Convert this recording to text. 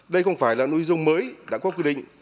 đây không phải là nội dung mới đã có quy định